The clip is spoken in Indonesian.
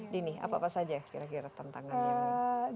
dini apa saja kira kira tantangan ini